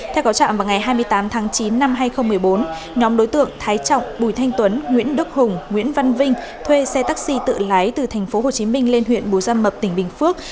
theo cáo trạm vào ngày hai mươi tám tháng chín năm hai nghìn một mươi bốn nhóm đối tượng thái trọng bùi thanh tuấn nguyễn đức hùng nguyễn văn vinh thuê xe taxi tự lái từ thành phố hồ chí minh lên huyện bùi gia mập tỉnh bình phước